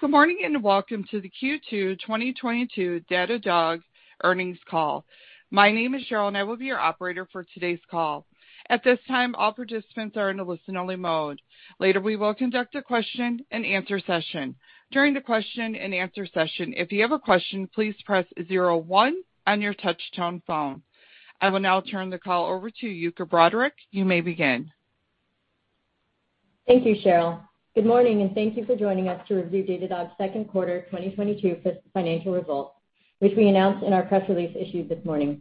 Good morning, and welcome to the Q2 2022 Datadog earnings call. My name is Cheryl, and I will be your operator for today's call. At this time, all participants are in a listen-only mode. Later, we will conduct a question-and-answer session. During the question-and-answer session, if you have a question, please press zero one on your touchtone phone. I will now turn the call over to Yuka Broderick. You may begin. Thank you, Cheryl. Good morning, and thank you for joining us to review Datadog's second quarter 2022 financial results, which we announced in our press release issued this morning.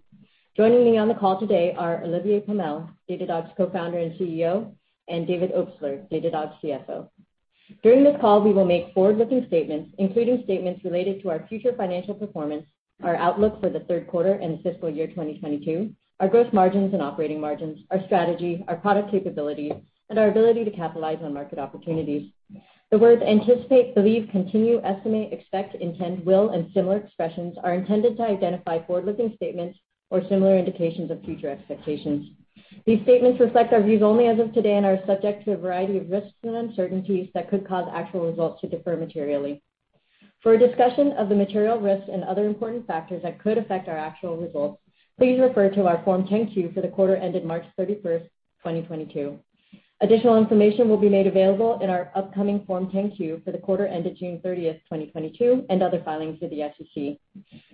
Joining me on the call today are Olivier Pomel, Datadog's Co-founder and CEO, and David Obstler, Datadog's CFO. During this call, we will make forward-looking statements, including statements related to our future financial performance, our outlook for the third quarter and fiscal year 2022, our gross margins and operating margins, our strategy, our product capabilities, and our ability to capitalize on market opportunities. The words anticipate, believe, continue, estimate, expect, intend, will, and similar expressions are intended to identify forward-looking statements or similar indications of future expectations. These statements reflect our views only as of today and are subject to a variety of risks and uncertainties that could cause actual results to differ materially. For a discussion of the material risks and other important factors that could affect our actual results, please refer to our Form 10-Q for the quarter ended March 31, 2022. Additional information will be made available in our upcoming Form 10-Q for the quarter ended June 30, 2022, and other filings with the SEC.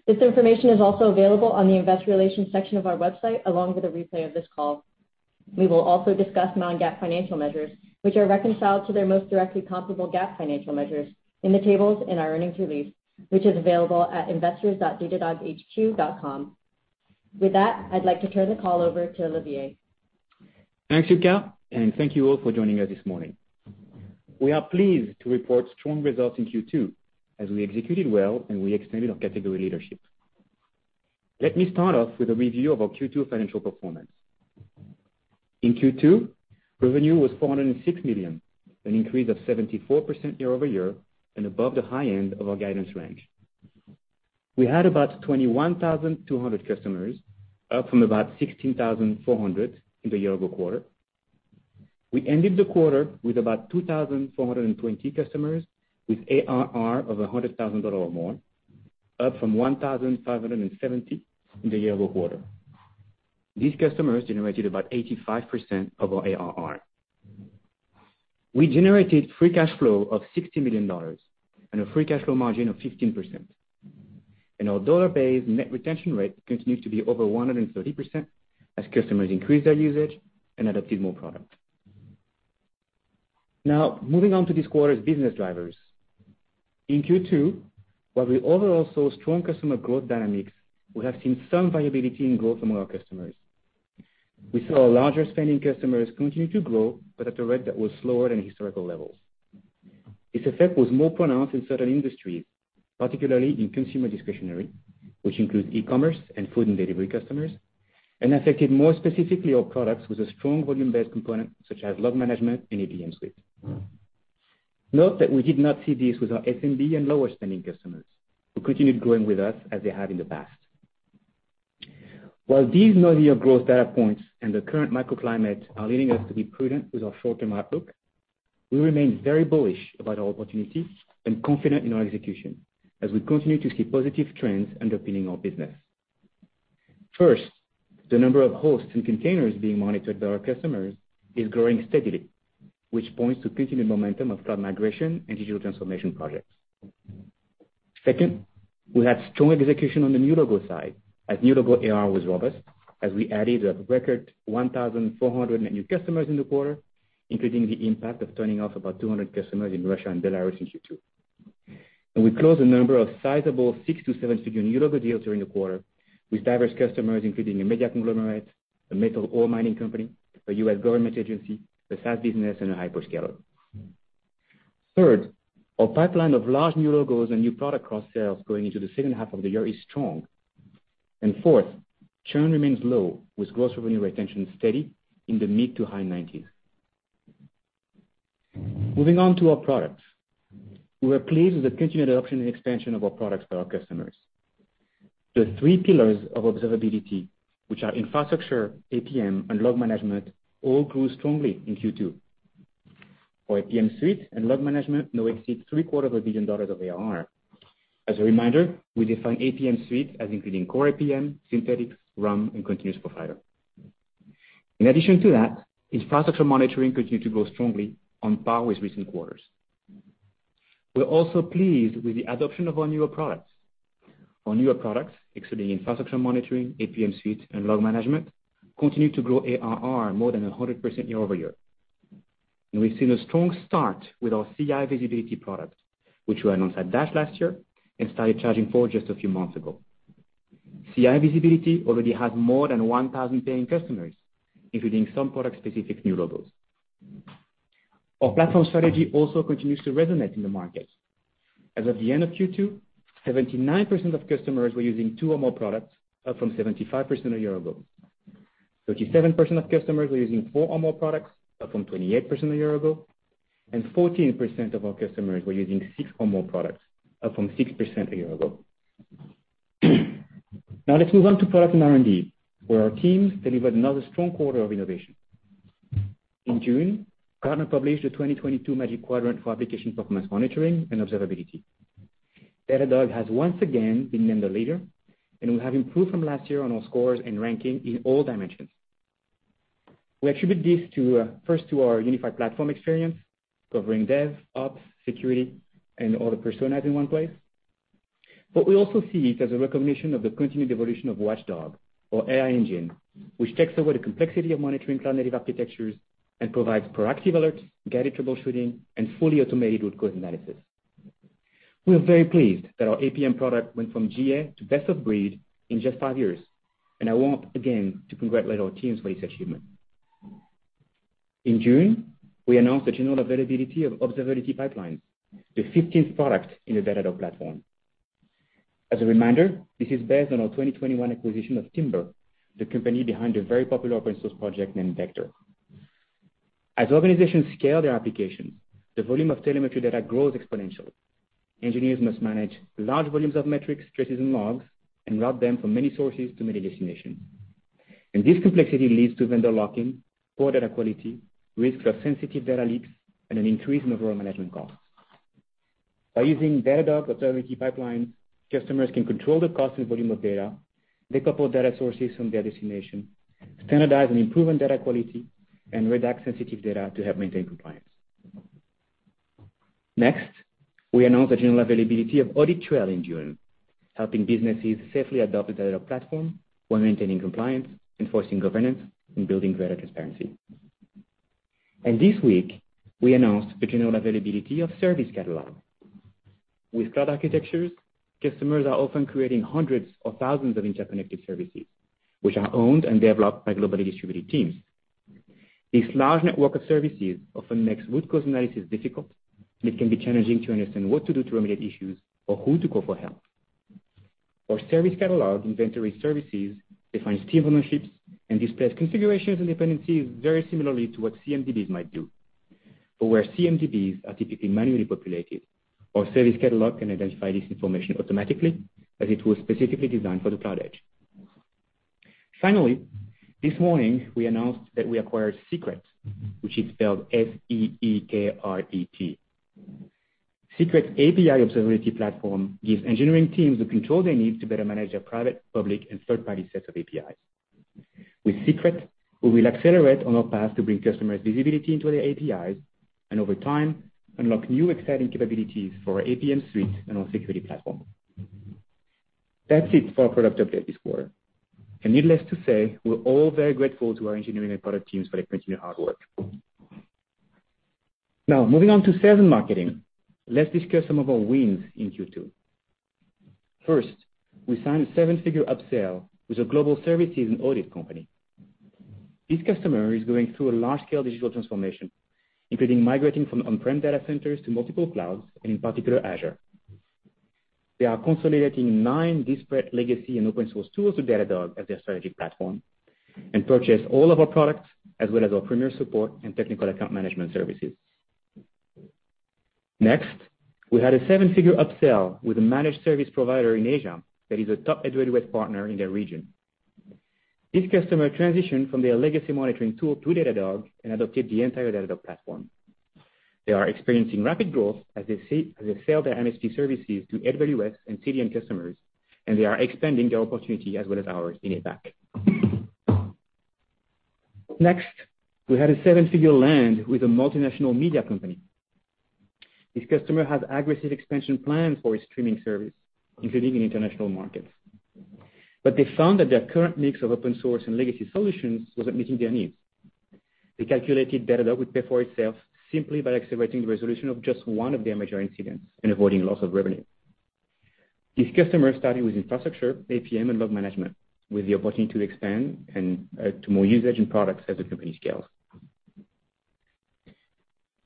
This information is also available on the investor relations section of our website, along with a replay of this call. We will also discuss non-GAAP financial measures, which are reconciled to their most directly comparable GAAP financial measures in the tables in our earnings release, which is available at investors.datadoghq.com. With that, I'd like to turn the call over to Olivier. Thanks, Yuka, and thank you all for joining us this morning. We are pleased to report strong results in Q2, as we executed well and we extended our category leadership. Let me start off with a review of our Q2 financial performance. In Q2, revenue was $406 million, an increase of 74% year-over-year and above the high end of our guidance range. We had about 21,200 customers, up from about 16,400 in the year-ago quarter. We ended the quarter with about 2,420 customers with ARR of $100,000 or more, up from 1,570 in the year-ago quarter. These customers generated about 85% of our ARR. We generated free cash flow of $60 million and a free cash flow margin of 15%. Our dollar-based net retention rate continues to be over 130% as customers increase their usage and adopted more product. Now, moving on to this quarter's business drivers. In Q2, while we overall saw strong customer growth dynamics, we have seen some variability in growth among our customers. We saw larger spending customers continue to grow, but at a rate that was slower than historical levels. Its effect was more pronounced in certain industries, particularly in consumer discretionary, which includes e-commerce and food and delivery customers, and affected more specifically our products with a strong volume-based component such as Log Management and APM Suite. Note that we did not see this with our SMB and lower spending customers who continued growing with us as they have in the past. While these noisier growth data points and the current microclimate are leading us to be prudent with our short-term outlook, we remain very bullish about our opportunities and confident in our execution as we continue to see positive trends underpinning our business. First, the number of hosts and containers being monitored by our customers is growing steadily, which points to continued momentum of cloud migration and digital transformation projects. Second, we had strong execution on the new logo side, as new logo ARR was robust as we added a record 1,400 net new customers in the quarter, including the impact of turning off about 200 customers in Russia and Belarus in Q2. We closed a number of sizable 6- to 7-figure new logo deals during the quarter with diverse customers including a media conglomerate, a metal ore mining company, a U.S. government agency, a SaaS business, and a hyperscaler. Third, our pipeline of large new logos and new product cross-sales going into the second half of the year is strong. Fourth, churn remains low, with gross revenue retention steady in the mid- to high 90s%. Moving on to our products. We are pleased with the continued adoption and expansion of our products by our customers. The three pillars of observability, which are infrastructure, APM, and log management, all grew strongly in Q2. Our APM Suite and log management now exceeds $three-quarters of a billion of ARR. As a reminder, we define APM Suite as including core APM, Synthetics, RUM, and Continuous Profiler. In addition to that, Infrastructure Monitoring continued to grow strongly on par with recent quarters. We're also pleased with the adoption of our newer products. Our newer products, excluding Infrastructure Monitoring, APM Suite, and Log Management, continue to grow ARR more than 100% year-over-year. We've seen a strong start with our CI Visibility product, which we announced at Dash last year and started charging for just a few months ago. CI Visibility already has more than 1,000 paying customers, including some product-specific new logos. Our platform strategy also continues to resonate in the market. As of the end of Q2, 79% of customers were using 2 or more products, up from 75% a year ago. 37% of customers were using 4 or more products, up from 28% a year ago. 14% of our customers were using 6 or more products, up from 6% a year ago. Now let's move on to product and R&D, where our teams delivered another strong quarter of innovation. In June, Gartner published the 2022 Magic Quadrant for Application Performance Monitoring and Observability. Datadog has once again been named a leader, and we have improved from last year on our scores and ranking in all dimensions. We attribute this to, first to our unified platform experience covering dev, ops, security, and all the personas in one place. But we also see it as a recognition of the continued evolution of Watchdog, our AI engine, which takes away the complexity of monitoring cloud-native architectures and provides proactive alerts, guided troubleshooting, and fully automated root cause analysis. We are very pleased that our APM product went from GA to best of breed in just five years, and I want again to congratulate our teams for this achievement. In June, we announced the general availability of Observability Pipelines, the fifteenth product in the Datadog platform. As a reminder, this is based on our 2021 acquisition of Timber, the company behind a very popular open source project named Vector. As organizations scale their applications, the volume of telemetry data grows exponentially. Engineers must manage large volumes of metrics, traces, and logs, and route them from many sources to many destinations. This complexity leads to vendor lock-in, poor data quality, risk of sensitive data leaks, and an increase in overall management costs. By using Datadog Observability Pipeline, customers can control the cost and volume of data, decouple data sources from their destination, standardize and improve on data quality, and redact sensitive data to help maintain compliance. Next, we announced the general availability of Audit Trail in June, helping businesses safely adopt the Datadog platform while maintaining compliance, enforcing governance, and building greater transparency. This week, we announced the general availability of Service Catalog. With cloud architectures, customers are often creating hundreds of thousands of interconnected services which are owned and developed by globally distributed teams. This large network of services often makes root cause analysis difficult, and it can be challenging to understand what to do to remediate issues or who to call for help. Our Service Catalog inventory services defines team ownerships and displays configurations and dependencies very similarly to what CMDBs might do. Where CMDBs are typically manually populated, our Service Catalog can identify this information automatically as it was specifically designed for the cloud edge. Finally, this morning we announced that we acquired Seekret, which is spelled S-E-E-K-R-E-T. Seekret API Observability Platform gives engineering teams the control they need to better manage their private, public, and third-party sets of APIs. With Seekret, we will accelerate on our path to bring customers visibility into their APIs and over time, unlock new exciting capabilities for our APM suite and our security platform. That's it for our product update this quarter. Needless to say, we're all very grateful to our engineering and product teams for their continued hard work. Now moving on to sales and marketing. Let's discuss some of our wins in Q2. First, we signed a seven-figure upsell with a global services and audit company. This customer is going through a large-scale digital transformation, including migrating from on-prem data centers to multiple clouds, and in particular Azure. They are consolidating nine disparate legacy and open source tools with Datadog as their strategy platform and purchased all of our products as well as our premier support and technical account management services. Next, we had a seven-figure upsell with a managed service provider in Asia that is a top AWS partner in their region. This customer transitioned from their legacy monitoring tool to Datadog and adopted the entire Datadog platform. They are experiencing rapid growth as they sell their MSP services to AWS and CDN customers, and they are expanding their opportunity as well as ours in APAC. Next, we had a seven-figure land with a multinational media company. This customer has aggressive expansion plans for its streaming service, including in international markets. They found that their current mix of open source and legacy solutions wasn't meeting their needs. They calculated Datadog would pay for itself simply by accelerating the resolution of just one of their major incidents and avoiding loss of revenue. This customer started with Infrastructure, APM, and Log Management, with the opportunity to expand and to more usage and products as the company scales.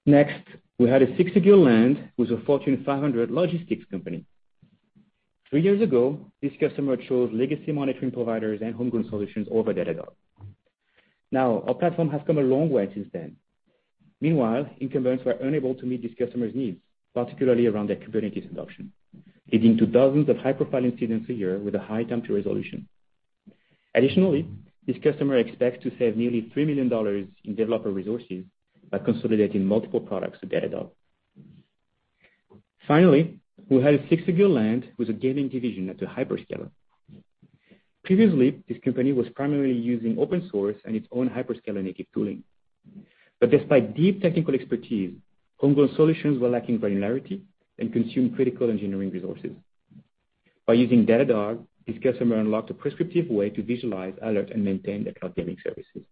Next, we had a six-figure land with a Fortune 500 logistics company. Three years ago, this customer chose legacy monitoring providers and homegrown solutions over Datadog. Now, our platform has come a long way since then. Meanwhile, incumbents were unable to meet this customer's needs, particularly around their Kubernetes adoption, leading to thousands of high-profile incidents a year with a high time to resolution. Additionally, this customer expects to save nearly $3 million in developer resources by consolidating multiple products to Datadog. Finally, we had a six-figure land with a gaming division at a hyperscaler. Previously, this company was primarily using open source and its own hyperscaler-native tooling. Despite deep technical expertise, homegrown solutions were lacking granularity and consumed critical engineering resources. By using Datadog, this customer unlocked a prescriptive way to visualize, alert, and maintain their cloud gaming services.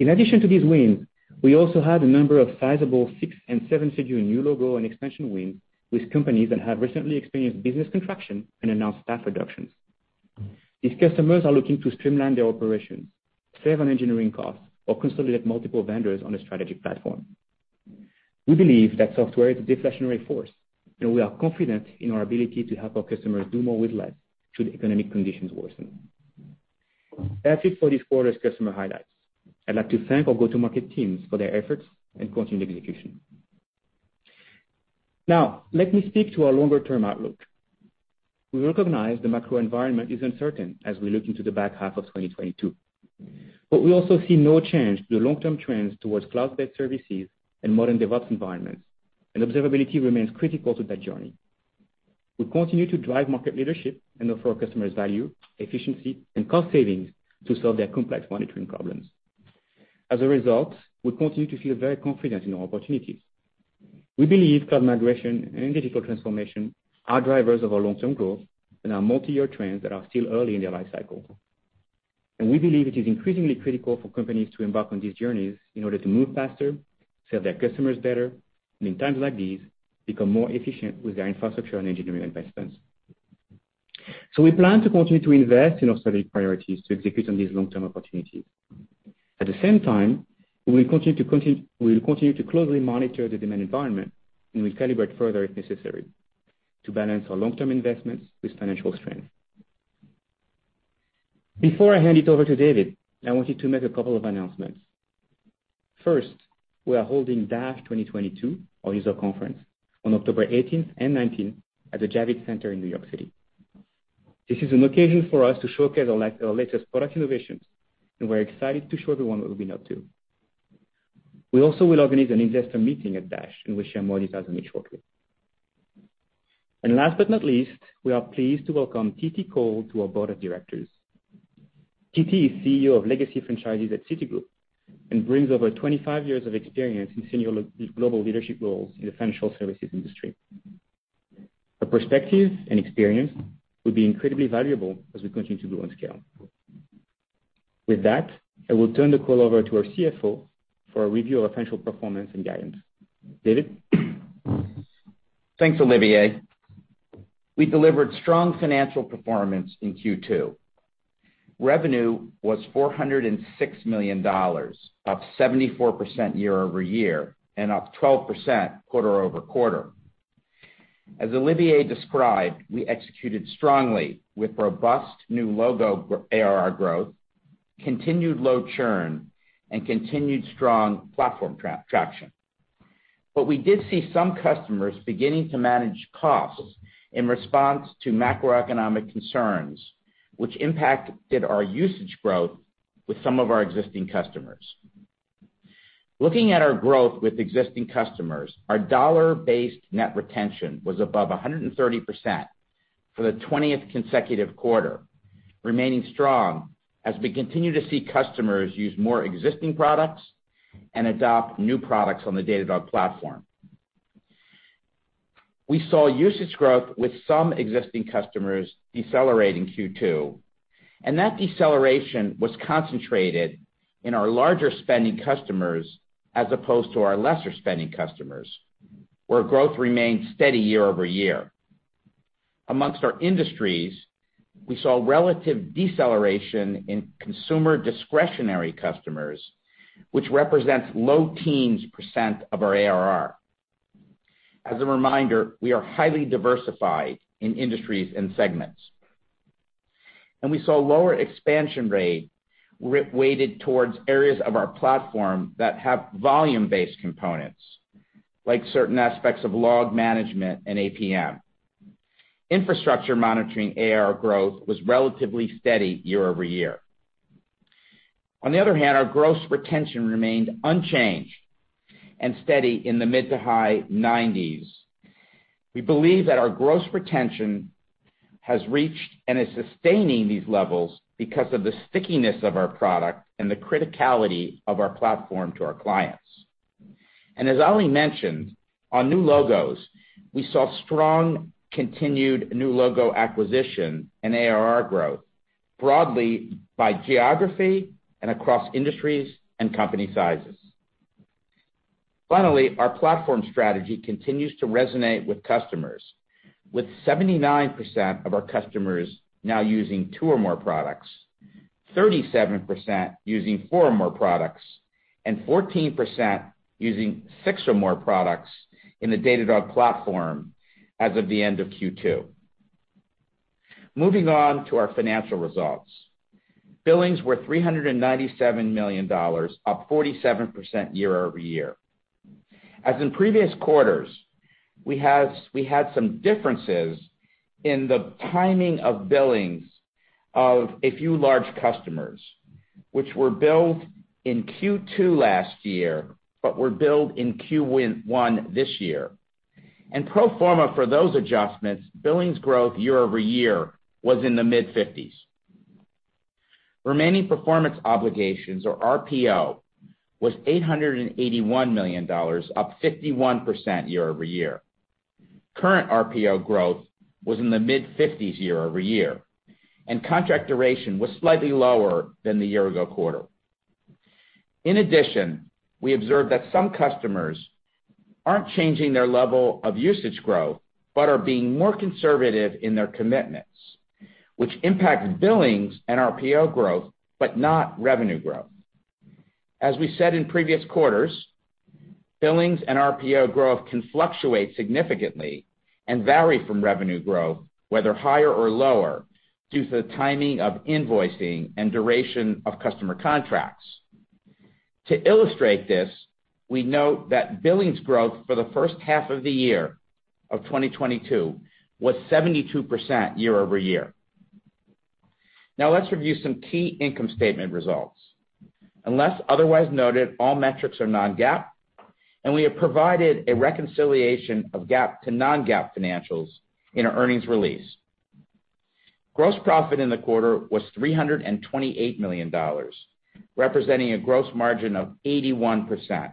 In addition to these wins, we also had a number of sizable six- and seven-figure new logo and expansion wins with companies that have recently experienced business contraction and announced staff reductions. These customers are looking to streamline their operations, save on engineering costs, or consolidate multiple vendors on a strategic platform. We believe that software is a deflationary force, and we are confident in our ability to help our customers do more with less should economic conditions worsen. That's it for this quarter's customer highlights. I'd like to thank our go-to-market teams for their efforts and continued execution. Now, let me speak to our longer term outlook. We recognize the macro environment is uncertain as we look into the back half of 2022. We also see no change to the long-term trends towards cloud-based services and modern DevOps environments, and observability remains critical to that journey. We continue to drive market leadership and offer our customers value, efficiency, and cost savings to solve their complex monitoring problems. As a result, we continue to feel very confident in our opportunities. We believe cloud migration and digital transformation are drivers of our long-term growth and are multi-year trends that are still early in their life cycle. We believe it is increasingly critical for companies to embark on these journeys in order to move faster, serve their customers better, and in times like these, become more efficient with their infrastructure and engineering investments. We plan to continue to invest in our strategic priorities to execute on these long-term opportunities. At the same time, we will continue to closely monitor the demand environment, and we'll calibrate further if necessary to balance our long-term investments with financial strength. Before I hand it over to David, I wanted to make a couple of announcements. First, we are holding DASH 2022, our user conference, on October eighteenth and nineteenth at the Javits Center in New York City. This is an occasion for us to showcase our latest product innovations, and we're excited to show everyone what we've been up to. We also will organize an investor meeting at DASH in which more details will follow shortly. Last but not least, we are pleased to welcome T.T. Cole to our board of directors. T.T. is CEO of Legacy Franchises at Citigroup and brings over 25 years of experience in senior global leadership roles in the financial services industry. Her perspective and experience will be incredibly valuable as we continue to grow and scale. With that, I will turn the call over to our CFO for a review of financial performance and guidance. David? Thanks, Olivier. We delivered strong financial performance in Q2. Revenue was $406 million, up 74% year-over-year, and up 12% quarter-over-quarter. As Olivier described, we executed strongly with robust new logo ARR growth, continued low churn, and continued strong platform traction. We did see some customers beginning to manage costs in response to macroeconomic concerns, which impacted our usage growth with some of our existing customers. Looking at our growth with existing customers, our dollar-based net retention was above 130% for the twentieth consecutive quarter, remaining strong as we continue to see customers use more existing products and adopt new products on the Datadog platform. We saw usage growth with some existing customers decelerate in Q2, and that deceleration was concentrated in our larger spending customers as opposed to our lesser spending customers, where growth remained steady year-over-year. Among our industries, we saw relative deceleration in consumer discretionary customers, which represents low teens% of our ARR. As a reminder, we are highly diversified in industries and segments. We saw lower expansion rate weighted towards areas of our platform that have volume-based components, like certain aspects of Log Management and APM. Infrastructure Monitoring ARR growth was relatively steady year-over-year. On the other hand, our gross retention remained unchanged and steady in the mid- to high nineties. We believe that our gross retention has reached and is sustaining these levels because of the stickiness of our product and the criticality of our platform to our clients. As Oli mentioned, on new logos, we saw strong continued new logo acquisition and ARR growth, broadly by geography and across industries and company sizes. Finally, our platform strategy continues to resonate with customers, with 79% of our customers now using two or more products, 37% using four or more products, and 14% using six or more products in the Datadog platform as of the end of Q2. Moving on to our financial results. Billings were $397 million, up 47% year over year. As in previous quarters, we had some differences in the timing of billings of a few large customers, which were billed in Q2 last year, but were billed in Q1 this year. Pro forma for those adjustments, billings growth year over year was in the mid-50s. Remaining performance obligations or RPO was $881 million, up 51% year-over-year. Current RPO growth was in the mid-50s year-over-year, and contract duration was slightly lower than the year-ago quarter. In addition, we observed that some customers aren't changing their level of usage growth, but are being more conservative in their commitments, which impacted billings and RPO growth, but not revenue growth. As we said in previous quarters, billings and RPO growth can fluctuate significantly and vary from revenue growth, whether higher or lower, due to the timing of invoicing and duration of customer contracts. To illustrate this, we note that billings growth for the first half of 2022 was 72% year-over-year. Now, let's review some key income statement results. Unless otherwise noted, all metrics are non-GAAP, and we have provided a reconciliation of GAAP to non-GAAP financials in our earnings release. Gross profit in the quarter was $328 million, representing a gross margin of 81%.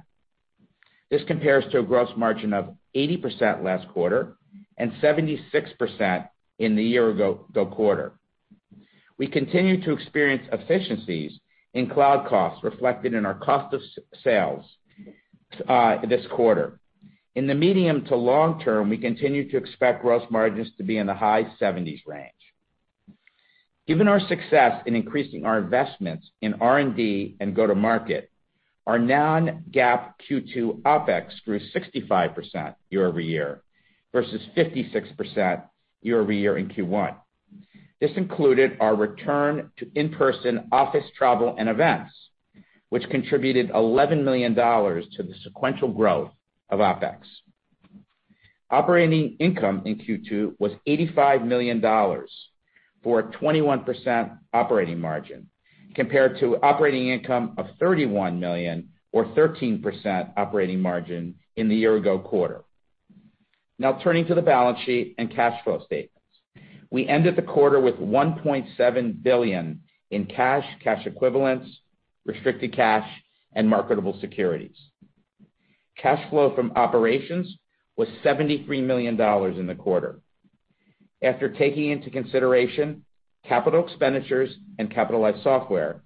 This compares to a gross margin of 80% last quarter and 76% in the year-ago quarter. We continue to experience efficiencies in cloud costs reflected in our cost of sales this quarter. In the medium to long term, we continue to expect gross margins to be in the high 70s range. Given our success in increasing our investments in R&D and go-to-market, our non-GAAP Q2 OpEx grew 65% year-over-year, versus 56% year-over-year in Q1. This included our return to in-person office travel and events, which contributed $11 million to the sequential growth of OpEx. Operating income in Q2 was $85 million for a 21% operating margin, compared to operating income of $31 million or 13% operating margin in the year ago quarter. Now, turning to the balance sheet and cash flow statements. We ended the quarter with $1.7 billion in cash equivalents, restricted cash, and marketable securities. Cash flow from operations was $73 million in the quarter. After taking into consideration capital expenditures and capitalized software,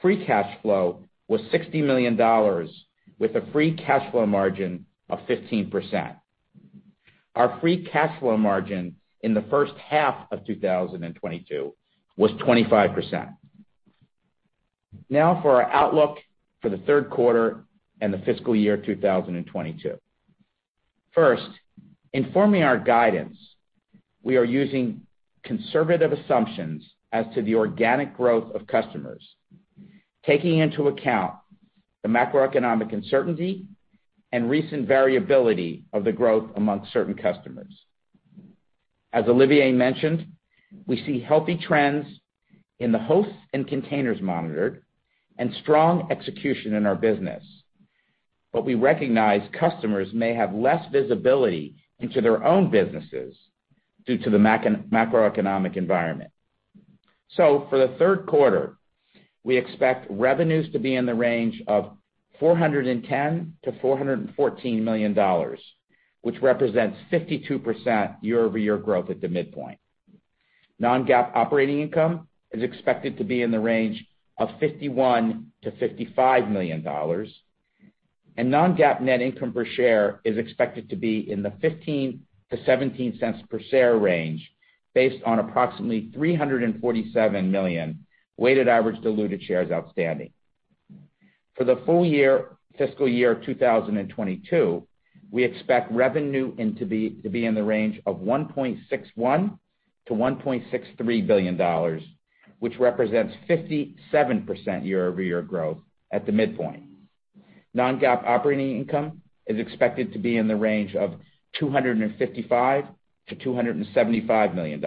free cash flow was $60 million with a free cash flow margin of 15%. Our free cash flow margin in the first half of 2022 was 25%. Now for our outlook for the third quarter and the fiscal year 2022. First, in forming our guidance, we are using conservative assumptions as to the organic growth of customers, taking into account the macroeconomic uncertainty and recent variability of the growth amongst certain customers. As Olivier mentioned, we see healthy trends in the hosts and containers monitored and strong execution in our business. We recognize customers may have less visibility into their own businesses due to the macroeconomic environment. For the third quarter, we expect revenues to be in the range of $410 million-$414 million, which represents 52% year-over-year growth at the midpoint. Non-GAAP operating income is expected to be in the range of $51-$55 million, and non-GAAP net income per share is expected to be in the $0.15-$0.17 per share range based on approximately 347 million weighted average diluted shares outstanding. For the full year, fiscal year 2022, we expect revenue to be in the range of $1.61-$1.63 billion, which represents 57% year-over-year growth at the midpoint. Non-GAAP operating income is expected to be in the range of $255-$275 million.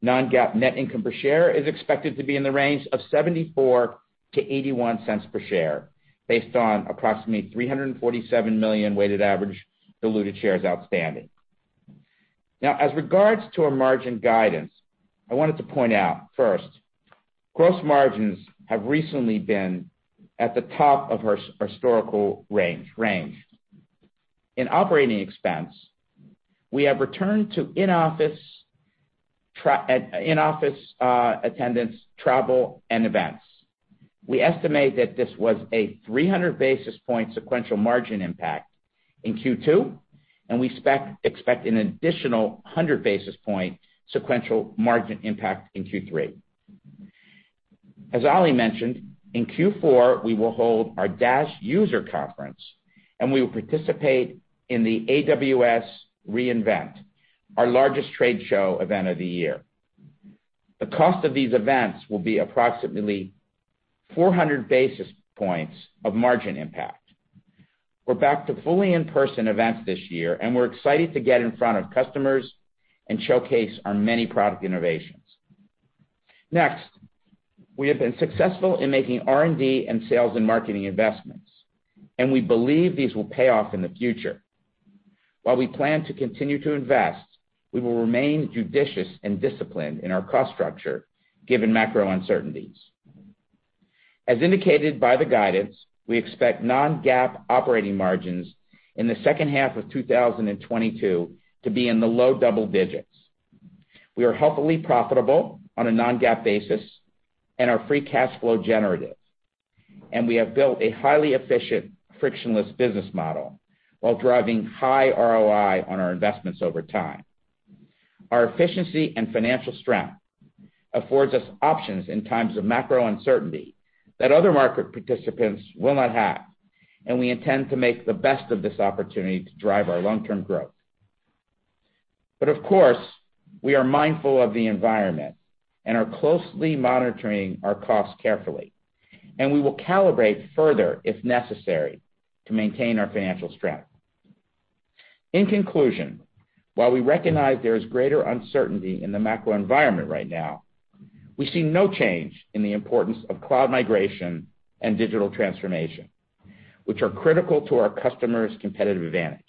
Non-GAAP net income per share is expected to be in the range of $0.74-$0.81 per share based on approximately 347 million weighted average diluted shares outstanding. Now, as regards to our margin guidance, I wanted to point out first, gross margins have recently been at the top of our historical range. In operating expense, we have returned to in-office attendance, travel, and events. We estimate that this was a 300 basis point sequential margin impact in Q2, and we expect an additional 100 basis point sequential margin impact in Q3. As Oli mentioned, in Q4, we will hold our DASH user conference, and we will participate in the AWS re:Invent, our largest trade show event of the year. The cost of these events will be approximately 400 basis points of margin impact. We're back to fully in-person events this year, and we're excited to get in front of customers and showcase our many product innovations. Next, we have been successful in making R&D and sales and marketing investments, and we believe these will pay off in the future. While we plan to continue to invest, we will remain judicious and disciplined in our cost structure, given macro uncertainties. As indicated by the guidance, we expect non-GAAP operating margins in the second half of 2022 to be in the low double digits. We are healthily profitable on a non-GAAP basis and are free cash flow generative. We have built a highly efficient, frictionless business model while driving high ROI on our investments over time. Our efficiency and financial strength affords us options in times of macro uncertainty that other market participants will not have, and we intend to make the best of this opportunity to drive our long-term growth. Of course, we are mindful of the environment and are closely monitoring our costs carefully, and we will calibrate further if necessary to maintain our financial strength. In conclusion, while we recognize there is greater uncertainty in the macro environment right now, we see no change in the importance of cloud migration and digital transformation, which are critical to our customers' competitive advantage.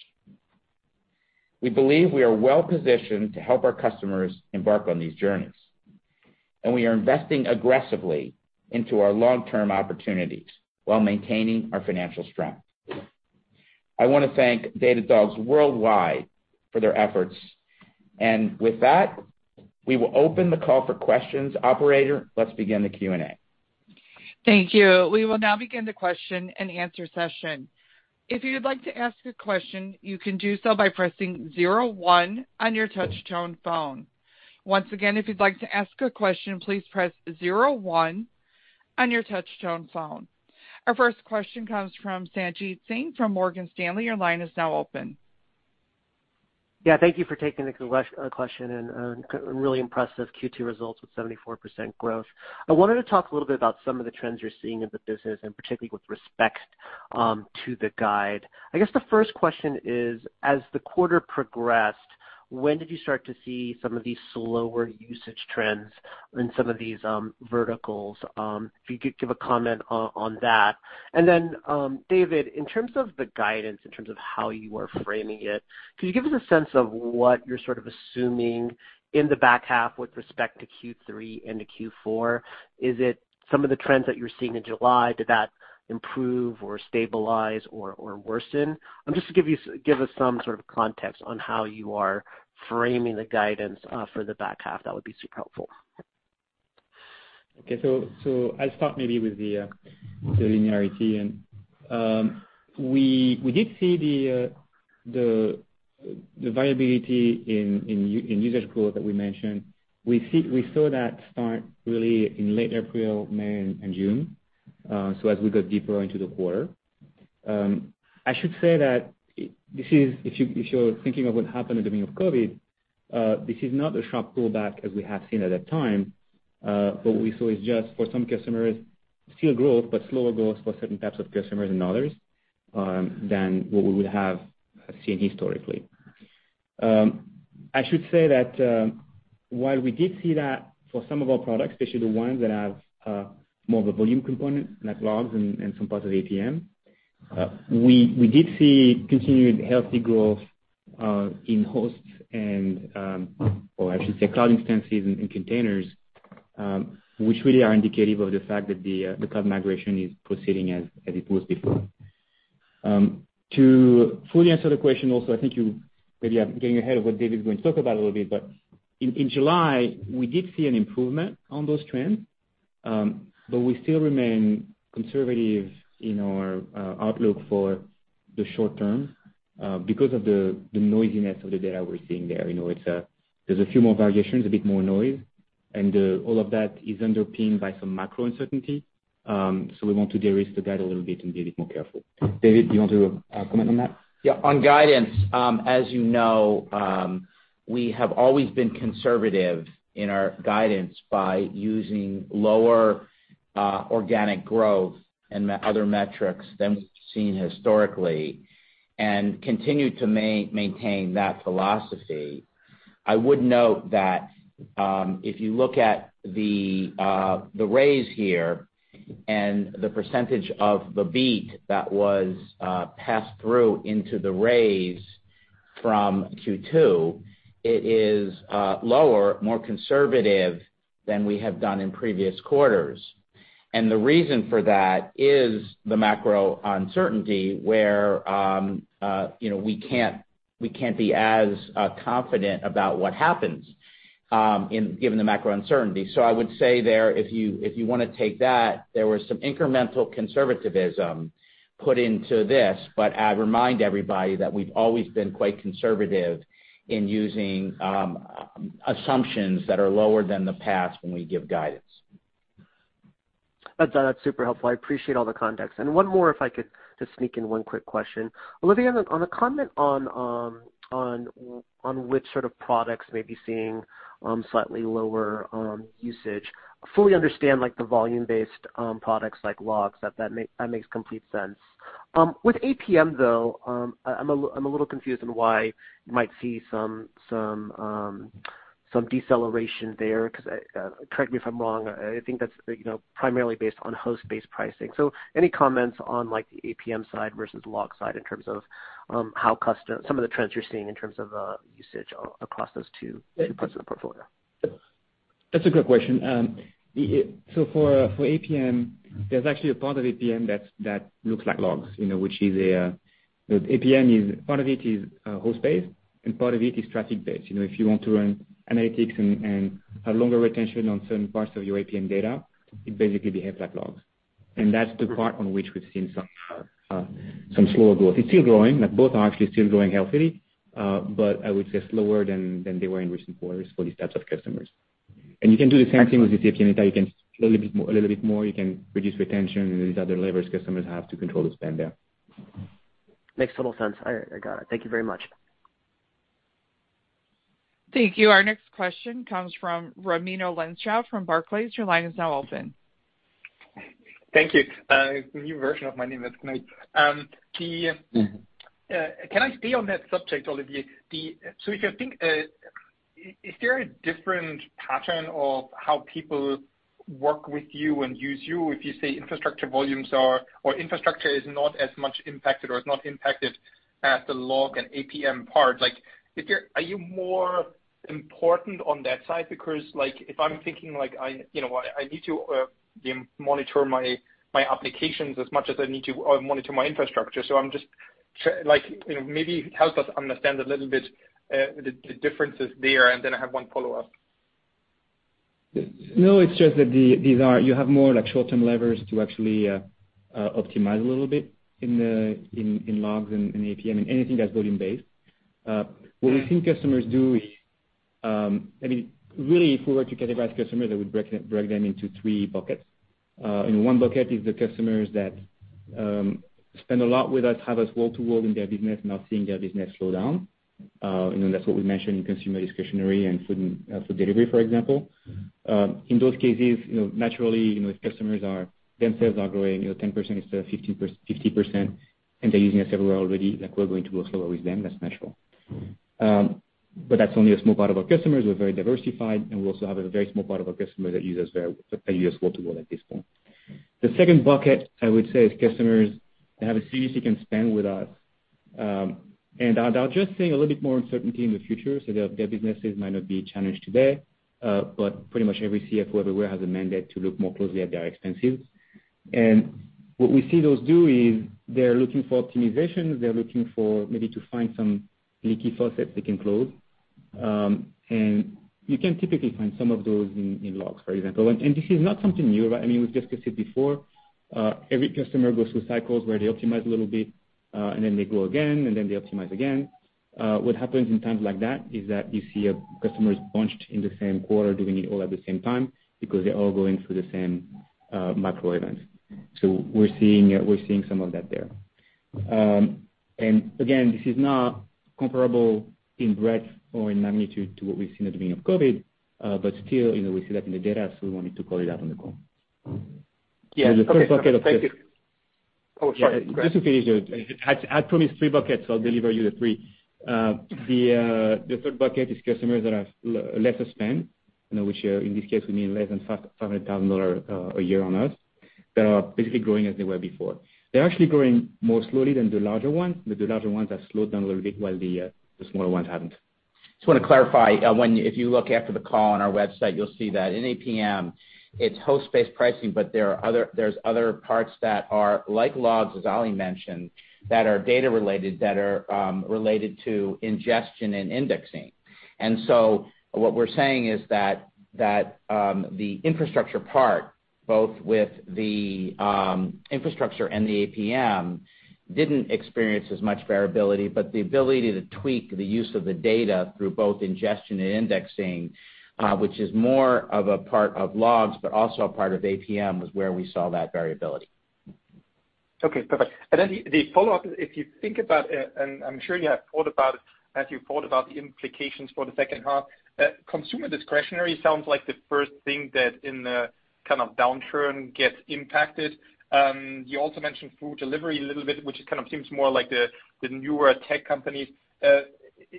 We believe we are well-positioned to help our customers embark on these journeys, and we are investing aggressively into our long-term opportunities while maintaining our financial strength. I want to thank Datadog's worldwide team for their efforts. With that, we will open the call for questions. Operator, let's begin the Q&A. Thank you. We will now begin the question-and-answer session. If you would like to ask a question, you can do so by pressing zero one on your touch-tone phone. Once again, if you'd like to ask a question, please press zero one on your touch-tone phone. Our first question comes from Sanjit Singh from Morgan Stanley. Your line is now open. Yeah, thank you for taking the question and really impressed with Q2 results with 74% growth. I wanted to talk a little bit about some of the trends you're seeing in the business, and particularly with respect to the guide. I guess the first question is, as the quarter progressed, when did you start to see some of these slower usage trends in some of these verticals? If you could give a comment on that. Then, David, in terms of the guidance, in terms of how you are framing it, could you give us a sense of what you're sort of assuming in the back half with respect to Q3 into Q4? Is it some of the trends that you're seeing in July, did that improve or stabilize or worsen? Just to give us some sort of context on how you are framing the guidance for the back half, that would be super helpful. Okay, I'll start maybe with the linearity. We did see the visibility in usage growth that we mentioned. We saw that start really in late April, May, and June, so as we got deeper into the quarter. I should say that this is, if you're thinking of what happened at the beginning of COVID, not a sharp pullback as we have seen at that time, but what we saw is just for some customers, still growth, but slower growth for certain types of customers than others, than what we would have seen historically. I should say that, while we did see that for some of our products, especially the ones that have more of a volume component like Logs and some parts of APM, we did see continued healthy growth in hosts and, or I should say, cloud instances and containers, which really are indicative of the fact that the cloud migration is proceeding as it was before. To fully answer the question, also, I think you maybe are getting ahead of what David is going to talk about a little bit, but in July, we did see an improvement on those trends, but we still remain conservative in our outlook for the short term, because of the noisiness of the data we're seeing there. You know, there's a few more variations, a bit more noise, and, all of that is underpinned by some macro uncertainty. We want to de-risk the guide a little bit and be a bit more careful. David, do you want to comment on that? Yeah. On guidance, as you know, we have always been conservative in our guidance by using lower, organic growth and other metrics than we've seen historically and continue to maintain that philosophy. I would note that, if you look at the raise here and the percentage of the beat that was passed through into the raise from Q2, it is lower, more conservative than we have done in previous quarters. The reason for that is the macro uncertainty where, you know, we can't be as confident about what happens given the macro uncertainty. I would say there, if you wanna take that, there was some incremental conservatism put into this. I remind everybody that we've always been quite conservative in using assumptions that are lower than the past when we give guidance. That's super helpful. I appreciate all the context. One more, if I could just sneak in one quick question. Olivier, on a comment on which sort of products may be seeing slightly lower usage. I fully understand, like, the volume-based products like Logs. That makes complete sense. With APM, though, I'm a little confused on why you might see some deceleration there, 'cause, correct me if I'm wrong, I think that's, you know, primarily based on host-based pricing. Any comments on, like, the APM side versus Log side in terms of how some of the trends you're seeing in terms of usage across those two parts of the portfolio? That's a good question. For APM, there's actually a part of APM that looks like Logs, you know, which is APM. Part of it is host-based, and part of it is traffic-based. You know, if you want to run analytics and have longer retention on certain parts of your APM data, it basically behaves like Logs. That's the part on which we've seen some slower growth. It's still growing. Both are actually still growing healthily, but I would say slower than they were in recent quarters for these types of customers. You can do the same thing with RUM data. A little bit more, you can reduce retention and these other levers customers have to control the spend there. Makes total sense. I got it. Thank you very much. Thank you. Our next question comes from Raimo Lenschow from Barclays. Your line is now open. Thank you. The new version of my name is good. Can I stay on that subject, Olivier? If you think, is there a different pattern of how people work with you and use you if you say infrastructure volumes are or infrastructure is not as much impacted or is not impacted as the log and APM part? Like, are you more important on that side? Because, like, if I'm thinking, like, I, you know, I need to monitor my applications as much as I need to monitor my infrastructure. I'm just like, you know, maybe help us understand a little bit, the differences there, and then I have one follow-up. No, it's just that you have more like short-term levers to actually optimize a little bit in logs and APM and anything that's volume-based. What we think customers do is, I mean, really, if we were to categorize customers, they would break them into three buckets. One bucket is the customers that spend a lot with us, have us wall-to-wall in their business, not seeing their business slow down. You know, that's what we mentioned in consumer discretionary and food delivery, for example. In those cases, you know, naturally, you know, if customers themselves are growing, you know, 10% instead of 50%, and they're using us everywhere already, like we're going to go slower with them, that's natural. That's only a small part of our customers. We're very diversified, and we also have a very small part of our customers that use us very wall-to-wall at this point. The second bucket, I would say, is customers that have a deep can-spend with us, and are now just seeing a little bit more uncertainty in the future. Their businesses might not be challenged today, but pretty much every CFO everywhere has a mandate to look more closely at their expenses. What we see those do is they're looking for optimization. They're looking for maybe to find some leaky faucets they can close. You can typically find some of those in logs, for example. This is not something new. I mean, we've discussed it before. Every customer goes through cycles where they optimize a little bit, and then they grow again, and then they optimize again. What happens in times like that is that you see customers bunched in the same quarter doing it all at the same time because they're all going through the same macro event. We're seeing some of that there. Again, this is not comparable in breadth or in magnitude to what we've seen at the beginning of COVID, but still, you know, we see that in the data, so we wanted to call it out on the call. Yeah. Okay. Thank you. The first bucket of Oh, sorry. Go ahead. Just to finish, I promised three buckets, so I'll deliver you the three. The third bucket is customers that have lesser spend, you know, which in this case would mean less than $500,000 a year on us, that are basically growing as they were before. They're actually growing more slowly than the larger ones, but the larger ones have slowed down a little bit while the smaller ones haven't. Just wanna clarify, if you look after the call on our website, you'll see that in APM, it's host-based pricing, but there's other parts that are like logs, as Oli mentioned, that are related to ingestion and indexing. What we're saying is that the infrastructure part, both with the infrastructure and the APM, didn't experience as much variability, but the ability to tweak the use of the data through both ingestion and indexing, which is more of a part of logs, but also a part of APM, was where we saw that variability. Okay, perfect. The follow-up, if you think about it, and I'm sure you have thought about it as you've thought about the implications for the second half, consumer discretionary sounds like the first thing that in the kind of downturn gets impacted. You also mentioned food delivery a little bit, which kind of seems more like the newer tech companies.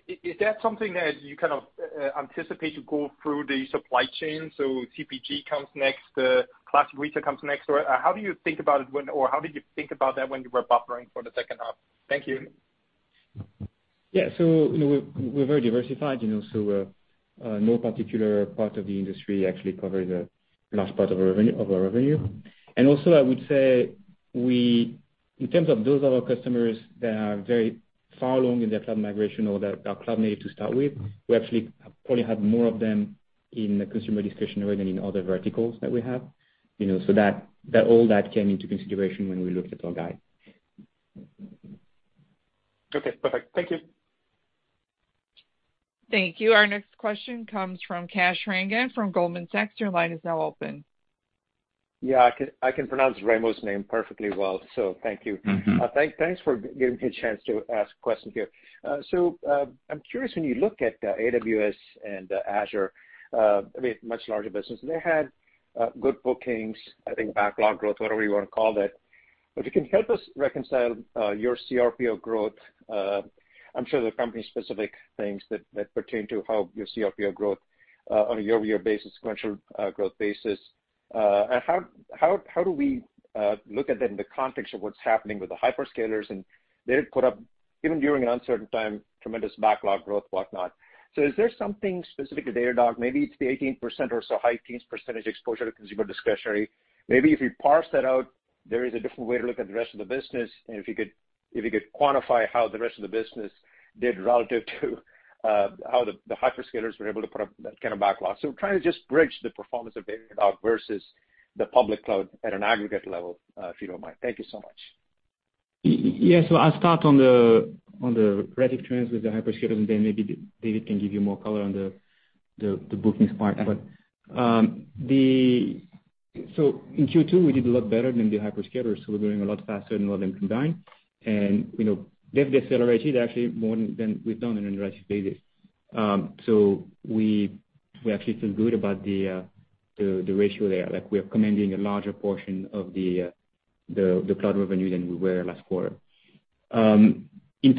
Is that something that you kind of anticipate as you go through the supply chain, so CPG comes next, classic retail comes next? Or how do you think about it, or how did you think about that when you were buffering for the second half? Thank you. You know, we're very diversified, you know, so no particular part of the industry actually covers a large part of our revenue. Also, I would say in terms of those of our customers that are very far along in their cloud migration or that are cloud-native to start with, we actually probably have more of them in the consumer discretionary than in other verticals that we have. You know, that all that came into consideration when we looked at our guide. Okay, perfect. Thank you. Thank you. Our next question comes from Kash Rangan from Goldman Sachs. Your line is now open. Yeah. I can pronounce Raimo's name perfectly well, so thank you. Mm-hmm. Thanks for giving me a chance to ask questions here. So, I'm curious, when you look at AWS and Azure, I mean, much larger business, they had good bookings, I think backlog growth, whatever you wanna call that. But if you can help us reconcile your CRPO growth, I'm sure there are company specific things that pertain to how your CRPO growth on a year-over-year basis, sequential growth basis. How do we look at that in the context of what's happening with the hyperscalers? They had put up, even during an uncertain time, tremendous backlog growth, whatnot. Is there something specific to Datadog? Maybe it's the 18% or so high teens % exposure to consumer discretionary. Maybe if you parse that out, there is a different way to look at the rest of the business, and if you could quantify how the rest of the business did relative to how the hyperscalers were able to put up that kind of backlog. I'm trying to just bridge the performance versus the public cloud at an aggregate level, if you don't mind. Thank you so much. Yes. I'll start on the Red Hat trends with the hyperscalers, and then maybe David can give you more color on the bookings part. In Q2, we did a lot better than the hyperscalers, so we're growing a lot faster than what they combined. You know, they've decelerated actually more than we've done in recent days. We actually feel good about the ratio there. Like, we are commanding a larger portion of the cloud revenue than we were last quarter. In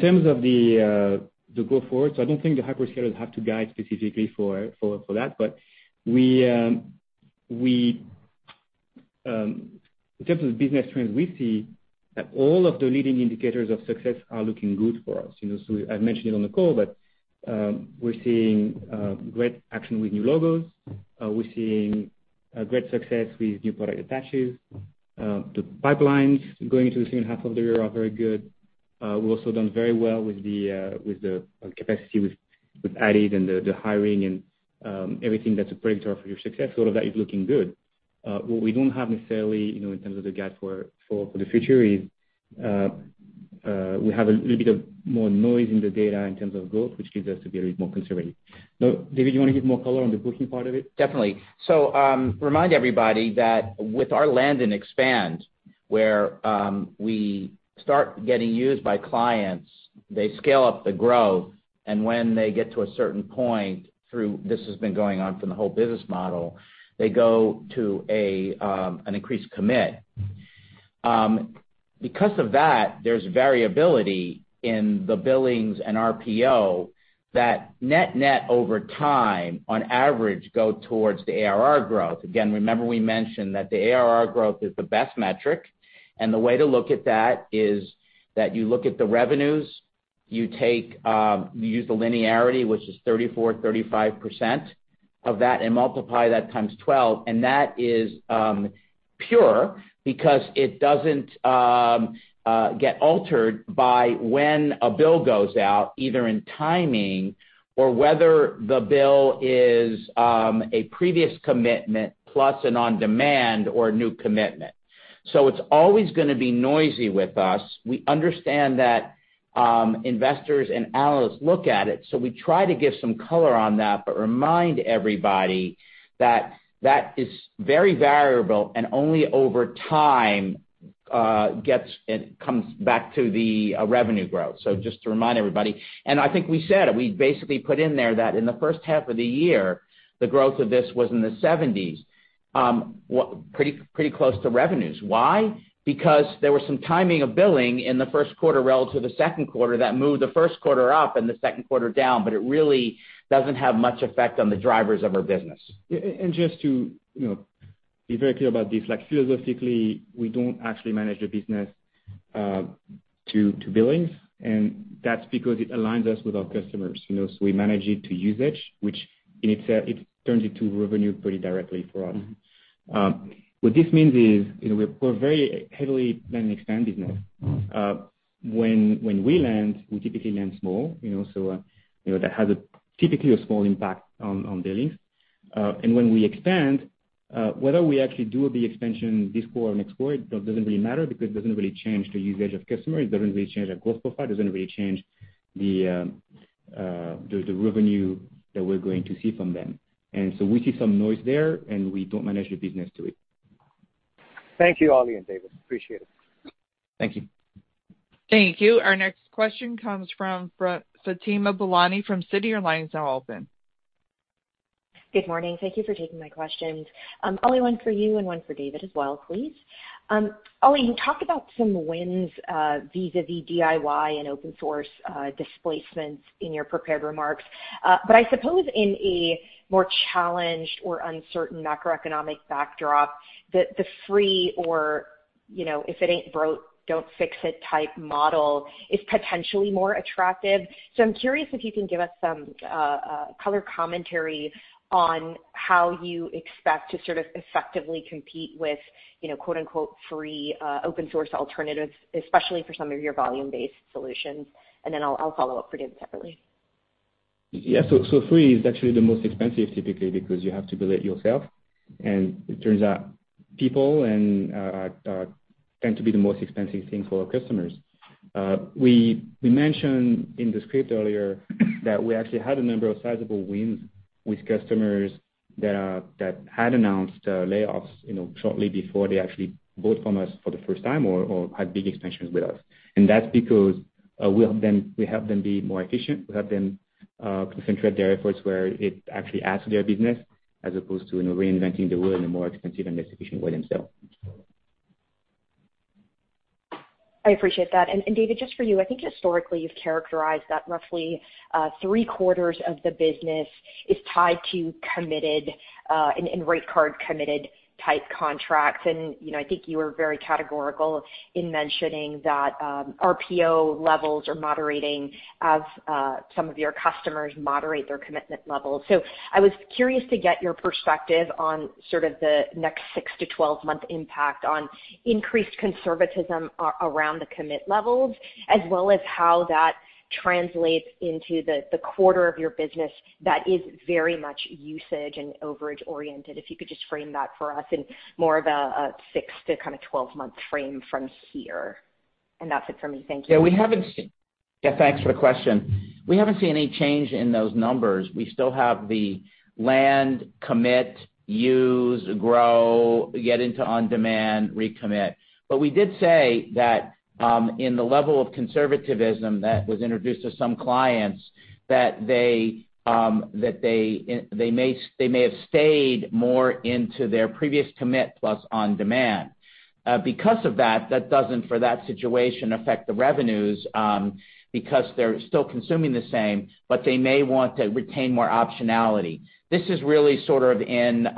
terms of the go forward, I don't think the hyperscalers have to guide specifically for that. We, in terms of business trends, we see that all of the leading indicators of success are looking good for us, you know. I've mentioned it on the call, but we're seeing great action with new logos. We're seeing great success with new product attaches. The pipelines going into the second half of the year are very good. We've also done very well with the capacity we've added and the hiring and everything that's a predictor of your success. All of that is looking good. What we don't have necessarily, you know, in terms of the guide for the future is we have a little bit more noise in the data in terms of growth, which leads us to be a little more conservative. David, do you wanna give more color on the booking part of it? Definitely. Remind everybody that with our land and expand, where we start getting used by clients, they scale up the growth, and when they get to a certain point through, this has been going on from the whole business model, they go to an increased commit. Because of that, there's variability in the billings and RPO that net-net over time, on average, go towards the ARR growth. Again, remember we mentioned that the ARR growth is the best metric, and the way to look at that is that you look at the revenues, you take, you use the linearity, which is 34%-35% of that and multiply that times 12, and that is pure because it doesn't get altered by when a bill goes out, either in timing or whether the bill is a previous commitment plus an on-demand or a new commitment. So it's always gonna be noisy with us. We understand that, investors and analysts look at it, so we try to give some color on that, but remind everybody that that is very variable and only over time gets and comes back to the revenue growth. So just to remind everybody. I think we said it, we basically put in there that in the first half of the year, the growth of this was in the 70s%, pretty close to revenues. Why? Because there was some timing of billing in the first quarter relative to the second quarter that moved the first quarter up and the second quarter down, but it really doesn't have much effect on the drivers of our business. Just to you know be very clear about this like philosophically we don't actually manage the business to billings and that's because it aligns us with our customers you know. We manage it to usage which in itself it turns into revenue pretty directly for us. What this means is you know we're very heavily land and expand business. When we land we typically land small you know so you know that has a typically small impact on billings. When we expand whether we actually do the expansion this quarter or next quarter it doesn't really matter because it doesn't really change the usage of customers it doesn't really change our growth profile it doesn't really change the revenue that we're going to see from them. We see some noise there, and we don't manage the business to it. Thank you, Oli and David. Appreciate it. Thank you. Thank you. Our next question comes from Fatima Boolani from Citi. Your line is now open. Good morning. Thank you for taking my questions. Oli, one for you and one for David as well, please. Oli, you talked about some wins vis-à-vis DIY and open source displacements in your prepared remarks. I suppose in a more challenged or uncertain macroeconomic backdrop, the free or, you know, if it ain't broke, don't fix it type model is potentially more attractive. I'm curious if you can give us some color commentary on how you expect to sort of effectively compete with, you know, quote-unquote, "free" open source alternatives, especially for some of your volume-based solutions. Then I'll follow up for David separately. Yeah. Free is actually the most expensive typically because you have to build it yourself, and it turns out people tend to be the most expensive thing for our customers. We mentioned in the script earlier that we actually had a number of sizable wins with customers that had announced layoffs, you know, shortly before they actually bought from us for the first time or had big expansions with us. That's because we help them be more efficient. We help them concentrate their efforts where it actually adds to their business as opposed to, you know, reinventing the wheel in a more expensive and less efficient way themselves. I appreciate that. David, just for you, I think historically you've characterized that roughly three-quarters of the business is tied to committed in rate card committed type contracts. You know, I think you were very categorical in mentioning that RPO levels are moderating as some of your customers moderate their commitment levels. I was curious to get your perspective on sort of the next 6- to 12-month impact on increased conservatism around the commit levels, as well as how that translates into the quarter of your business that is very much usage and overage oriented. If you could just frame that for us in more of a 6- to 12-month frame from here. That's it for me. Thank you. Yeah, thanks for the question. We haven't seen any change in those numbers. We still have the land, commit, use, grow, get into on-demand, recommit. We did say that in the level of conservatism that was introduced to some clients, that they may have stayed more into their previous commit plus on demand. Because of that doesn't for that situation affect the revenues, because they're still consuming the same, but they may want to retain more optionality. This is really sort of in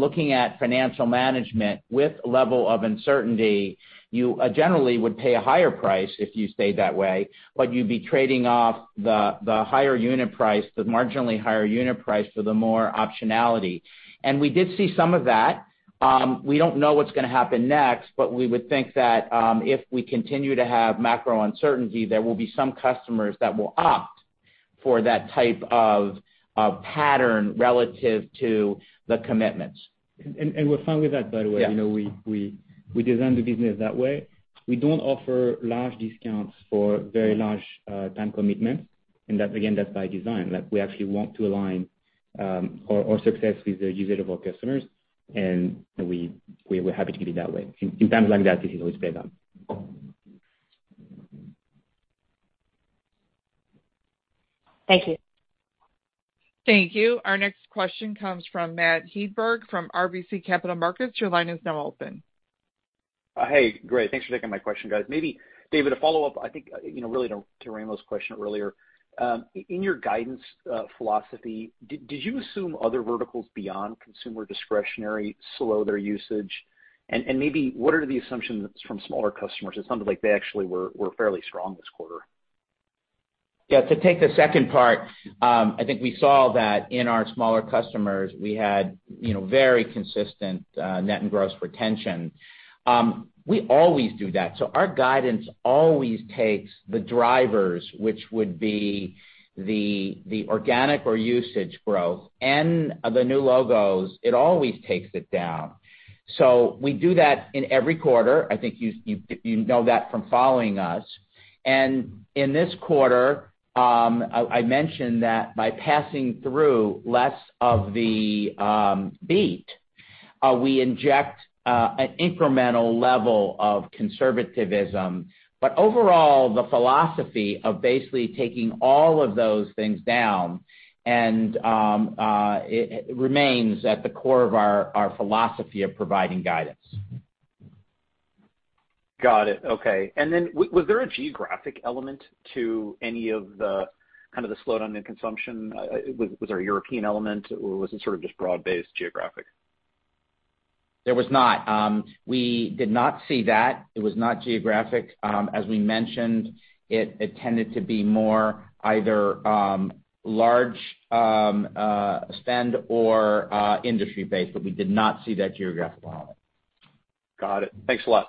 looking at financial management with level of uncertainty, you generally would pay a higher price if you stayed that way, but you'd be trading off the higher unit price, the marginally higher unit price for the more optionality. We did see some of that. We don't know what's gonna happen next, but we would think that if we continue to have macro uncertainty, there will be some customers that will opt for that type of pattern relative to the commitments. We're fine with that, by the way. Yeah. You know, we design the business that way. We don't offer large discounts for very large time commitments. That, again, that's by design, that we actually want to align our success with the usage of our customers, and we're happy to keep it that way. In times like that, this is always pay down. Thank you. Thank you. Our next question comes from Matt Hedberg from RBC Capital Markets. Your line is now open. Hey, great. Thanks for taking my question, guys. Maybe David, a follow-up really to Raimo's question earlier. In your guidance philosophy, did you assume other verticals beyond consumer discretionary slow their usage? Maybe what are the assumptions from smaller customers? It sounded like they actually were fairly strong this quarter. Yeah. To take the second part, I think we saw that in our smaller customers, we had, you know, very consistent net and gross retention. We always do that. Our guidance always takes the drivers, which would be the organic or usage growth and the new logos. It always takes it down. We do that in every quarter. I think you know that from following us. In this quarter, I mentioned that by passing through less of the beat, we inject an incremental level of conservatism. Overall, the philosophy of basically taking all of those things down and it remains at the core of our philosophy of providing guidance. Got it. Okay. Was there a geographic element to any of the, kind of the slowdown in consumption? Was there a European element, or was it sort of just broad-based geographic? There was not. We did not see that. It was not geographic. As we mentioned, it tended to be more either large spend or industry-based, but we did not see that geographical element. Got it. Thanks a lot.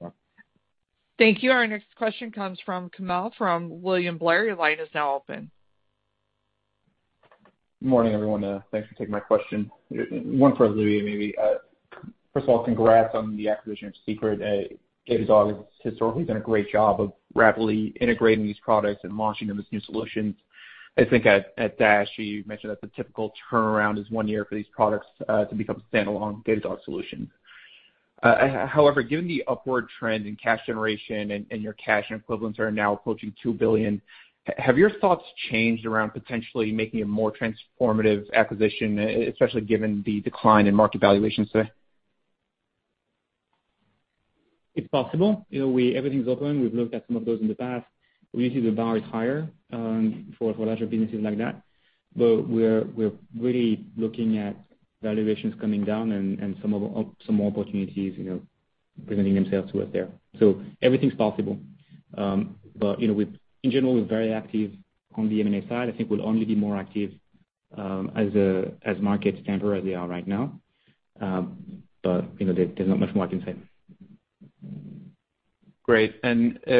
Yeah. Thank you. Our next question comes from Kamil from William Blair. Your line is now open. Morning, everyone. Thanks for taking my question. One for Louis, maybe. First of all, congrats on the acquisition of Seekret. Datadog has historically done a great job of rapidly integrating these products and launching them as new solutions. I think at Dash, you mentioned that the typical turnaround is one year for these products to become a standalone Datadog solution. However, given the upward trend in cash generation and your cash equivalents are now approaching $2 billion, have your thoughts changed around potentially making a more transformative acquisition, especially given the decline in market valuations today? It's possible. You know, everything's open. We've looked at some of those in the past. We see the bar is higher for larger businesses like that. We're really looking at valuations coming down and some more opportunities, you know, presenting themselves to us there. Everything's possible. You know, in general, we're very active on the M&A side. I think we'll only be more active as markets temper as they are right now. You know, there's not much more I can say.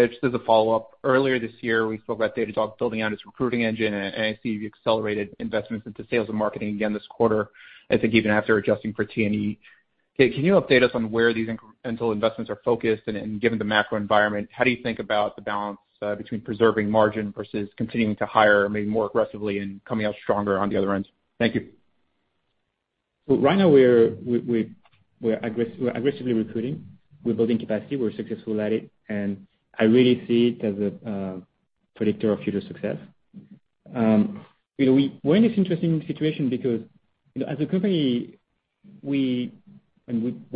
Just as a follow-up. Earlier this year, we spoke about Datadog building out its recruiting engine, and I see you accelerated investments into sales and marketing again this quarter. I think even after adjusting for T&E. Okay, can you update us on where these incremental investments are focused? Given the macro environment, how do you think about the balance between preserving margin versus continuing to hire maybe more aggressively and coming out stronger on the other end? Thank you. Right now we're aggressively recruiting. We're building capacity. We're successful at it. I really see it as a predictor of future success. You know, we're in this interesting situation because, you know, as a company we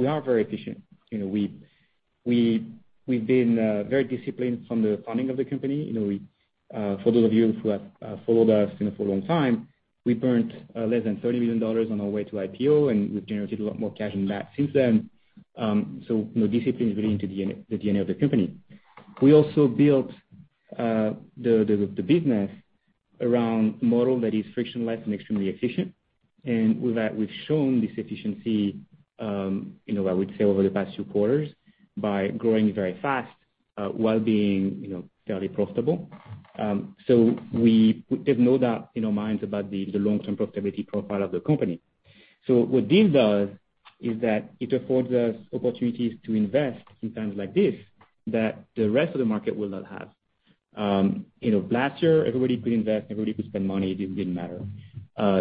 are very efficient. You know, we've been very disciplined from the funding of the company. You know, for those of you who have followed us, you know, for a long time, we burnt less than $30 million on our way to IPO, and we've generated a lot more cash than that since then. You know, discipline is really into the DNA of the company. We also built the business around model that is frictionless and extremely efficient. With that, we've shown this efficiency, you know, I would say over the past two quarters by growing very fast, while being, you know, fairly profitable. We have no doubt in our minds about the long-term profitability profile of the company. What this does is that it affords us opportunities to invest in times like this that the rest of the market will not have. You know, last year, everybody could invest, everybody could spend money. It didn't matter.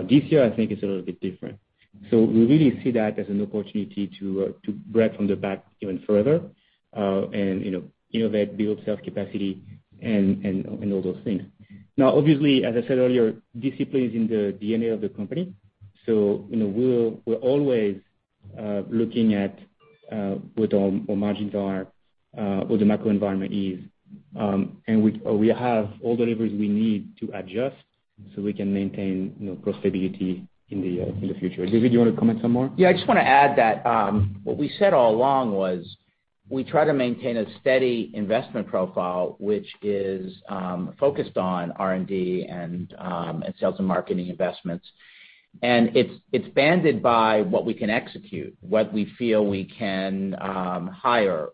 This year, I think it's a little bit different. We really see that as an opportunity to break from the pack even further, and, you know, innovate, build scale capacity and all those things. Now, obviously, as I said earlier, discipline is in the DNA of the company, so, you know, we're always looking at what our margins are, what the macro environment is. Or we have all the levers we need to adjust so we can maintain, you know, profitability in the future. David, do you wanna comment some more? Yeah, I just wanna add that, what we said all along was we try to maintain a steady investment profile, which is, focused on R&D and sales and marketing investments. It's banded by what we can execute, what we feel we can hire,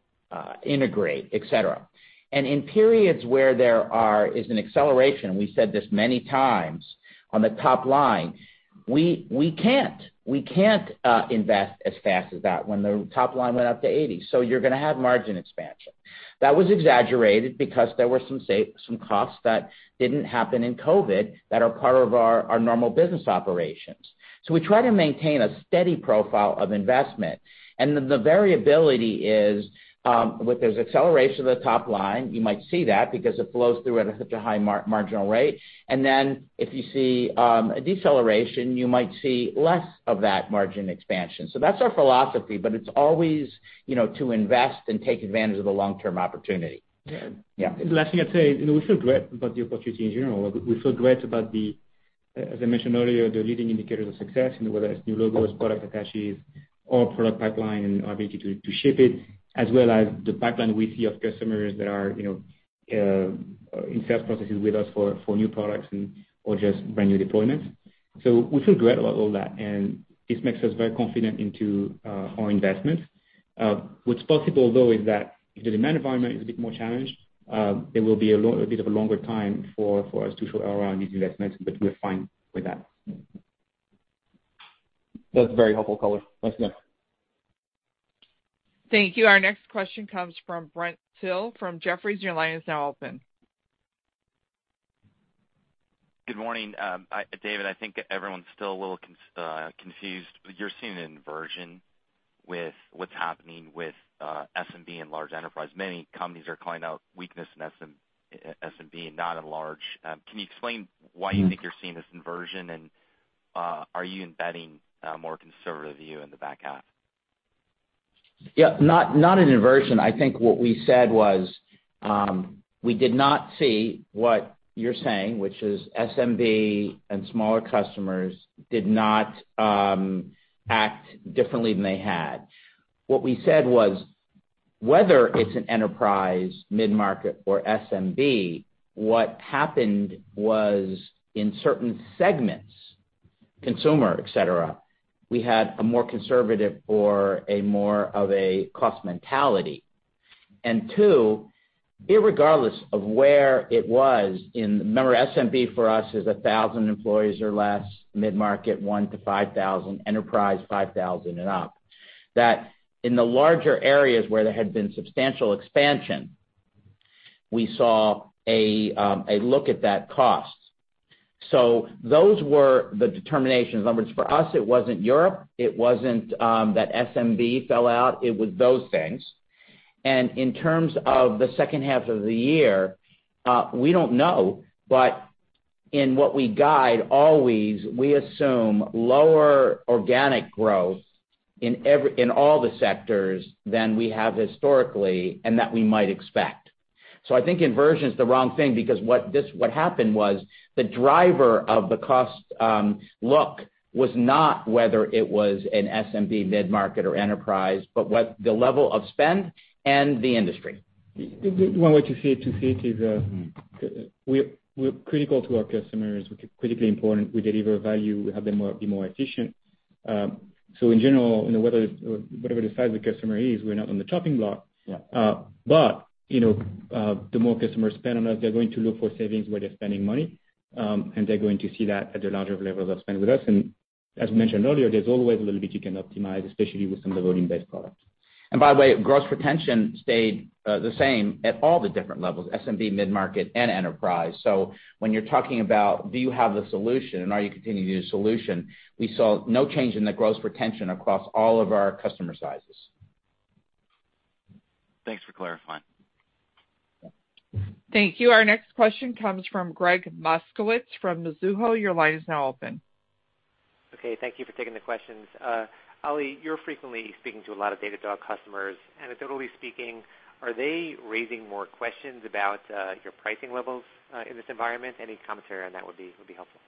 integrate, et cetera. In periods where there is an acceleration, we said this many times, on the top line, we can't invest as fast as that when the top line went up to 80%. You're gonna have margin expansion. That was exaggerated because there were some costs that didn't happen in COVID that are part of our normal business operations. We try to maintain a steady profile of investment. The variability is, when there's acceleration of the top line, you might see that because it flows through at such a high marginal rate. If you see a deceleration, you might see less of that margin expansion. That's our philosophy, but it's always, you know, to invest and take advantage of the long-term opportunity. Yeah. Yeah. The last thing I'd say, you know, we feel great about the opportunity in general. We feel great about the, as I mentioned earlier, the leading indicators of success, you know, whether it's new logos, product attaches or product pipeline and our ability to ship it, as well as the pipeline we see of customers that are, you know, in sales processes with us for new products and/or just brand new deployments. We feel great about all that, and this makes us very confident in our investments. What's possible though is that if the demand environment is a bit more challenged, it will be a bit of a longer time for us to show around these investments, but we're fine with that. That's very helpful color. Thanks, Nick. Thank you. Our next question comes from Brent Thill from Jefferies. Your line is now open. Good morning. David, I think everyone's still a little confused. You're seeing an inversion with what's happening with SMB and large enterprise. Many companies are calling out weakness in SMB and not in large. Can you explain why you think you're seeing this inversion? Are you embedding a more conservative view in the back half? Yeah. Not an inversion. I think what we said was, we did not see what you're saying, which is SMB and smaller customers did not act differently than they had. What we said was, whether it's an enterprise, mid-market or SMB, what happened was in certain segments, consumer, et cetera, we had a more conservative or a more of a cost mentality. Two, irregardless of where it was in. Remember, SMB for us is 1,000 employees or less, mid-market, 1 to 5,000, enterprise, 5,000 and up. That in the larger areas where there had been substantial expansion, we saw a look at that cost. Those were the determinations. In other words, for us, it wasn't Europe, it wasn't that SMB fell out, it was those things. In terms of the second half of the year, we don't know. In what we guide always, we assume lower organic growth in all the sectors than we have historically, and that we might expect. I think inversion is the wrong thing because what happened was the driver of the cost, look, was not whether it was an SMB, mid-market or enterprise, but what the level of spend and the industry. One way to see it is, we're critical to our customers. We're critically important. We deliver value, we have them be more efficient. In general, you know, whatever the size of the customer is, we're not on the chopping block. Yeah. You know, the more customers spend on us, they're going to look for savings where they're spending money, and they're going to see that at the larger levels of spend with us. As mentioned earlier, there's always a little bit you can optimize, especially with some of the volume-based products. By the way, gross retention stayed the same at all the different levels, SMB, mid-market and enterprise. When you're talking about do you have the solution and are you continuing to use solution, we saw no change in the gross retention across all of our customer sizes. Thanks for clarifying. Thank you. Our next question comes from Gregg Moskowitz from Mizuho. Your line is now open. Okay, thank you for taking the questions. Olivier, you're frequently speaking to a lot of Datadog customers. Anecdotally speaking, are they raising more questions about your pricing levels in this environment? Any commentary on that would be helpful.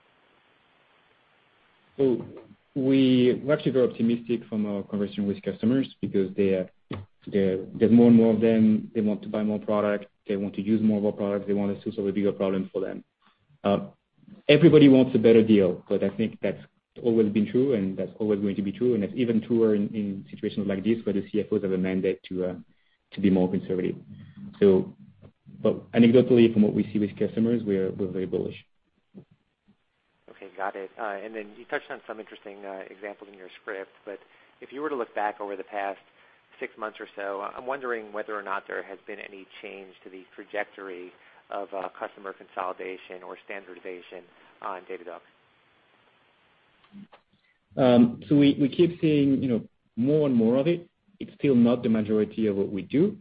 We're actually very optimistic from our conversation with customers because there's more and more of them. They want to buy more product. They want to use more of our product. They want to solve a bigger problem for them. Everybody wants a better deal, but I think that's always been true and that's always going to be true. It's even truer in situations like this where the CFOs have a mandate to be more conservative. But anecdotally, from what we see with customers, we're very bullish. Okay, got it. You touched on some interesting examples in your script, but if you were to look back over the past six months or so, I'm wondering whether or not there has been any change to the trajectory of customer consolidation or standardization on Datadog. We keep seeing, you know, more and more of it. It's still not the majority of what we do,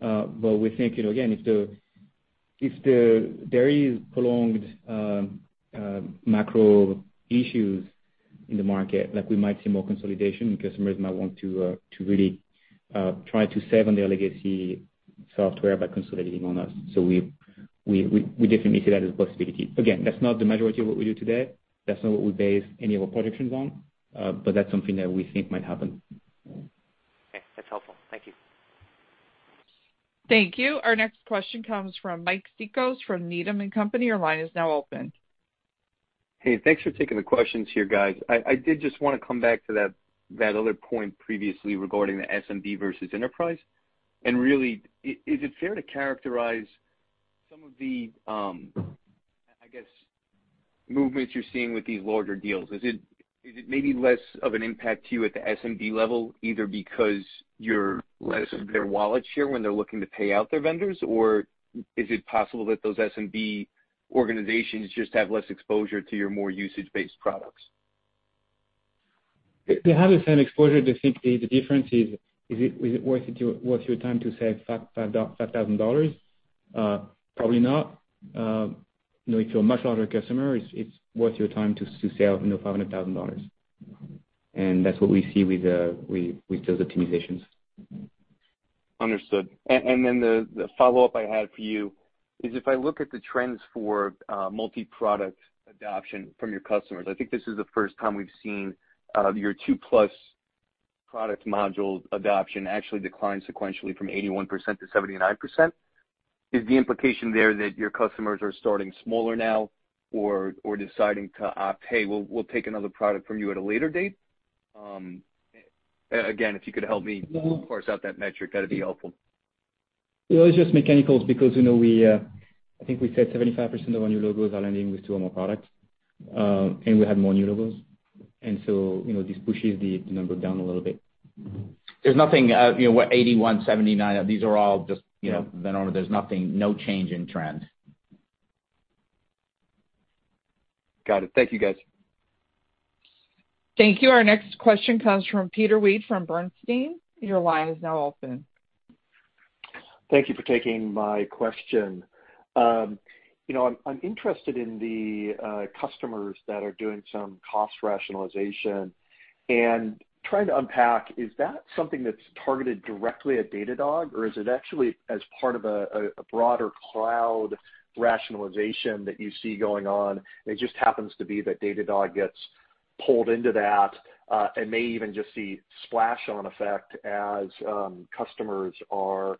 but we think, you know, again, if there is prolonged macro issues in the market, like we might see more consolidation. Customers might want to really try to save on their legacy software by consolidating on us. We definitely see that as a possibility. Again, that's not the majority of what we do today. That's not what we base any of our projections on, but that's something that we think might happen. Okay. That's helpful. Thank you. Thank you. Our next question comes from Mike Cikos from Needham & Company. Your line is now open. Hey, thanks for taking the questions here, guys. I did just wanna come back to that other point previously regarding the SMB versus enterprise. Really, is it fair to characterize some of the, I guess, movements you're seeing with these larger deals? Is it maybe less of an impact to you at the SMB level, either because you're less of their wallet share when they're looking to pay out their vendors, or is it possible that those SMB organizations just have less exposure to your more usage-based products? They have the same exposure. I think the difference is it worth your time to save $5,000? Probably not. You know, if you're a much larger customer, it's worth your time to save, you know, $500,000. That's what we see with those optimizations. Understood. Then the follow-up I had for you is if I look at the trends for multi-product adoption from your customers, I think this is the first time we've seen your two plus product module adoption actually decline sequentially from 81% to 79%. Is the implication there that your customers are starting smaller now or deciding to opt, "Hey, we'll take another product from you at a later date"? Again, if you could help me parse out that metric, that'd be helpful. It was just mechanicals because, you know, we, I think we said 75% of our new logos are landing with two or more products, and we have more new logos. You know, this pushes the number down a little bit. There's nothing, you know what, 81, 79, these are all just, you know, there's nothing, no change in trend. Got it. Thank you, guys. Thank you. Our next question comes from Peter Weed from Bernstein. Your line is now open. Thank you for taking my question. You know, I'm interested in the customers that are doing some cost rationalization. Trying to unpack, is that something that's targeted directly at Datadog, or is it actually as part of a broader cloud rationalization that you see going on, and it just happens to be that Datadog gets pulled into that, and may even just see spillover effect as customers are,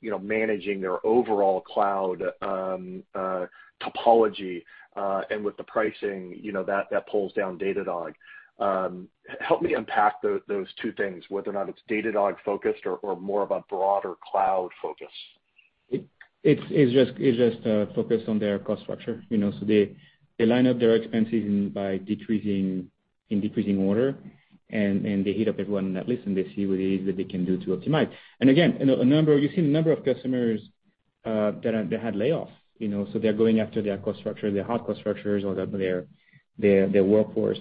you know, managing their overall cloud topology, and with the pricing, you know, that pulls down Datadog. Help me unpack those two things, whether or not it's Datadog focused or more of a broader cloud focus. It's just focused on their cost structure. You know, so they line up their expenses in decreasing order, and they hit up everyone in that list, and they see what it is that they can do to optimize. Again, you know, you've seen a number of customers that had layoffs, you know. They're going after their cost structure, their hard cost structures or their workforce,